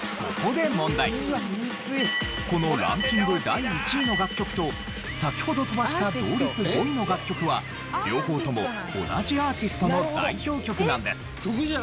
第１位の楽曲と先ほど飛ばした同率５位の楽曲は両方とも同じアーティストの代表曲なんです。